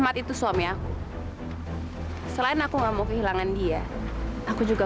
trus kenapa kamu kembali aja